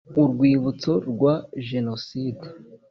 Urwibutso rwa jenoside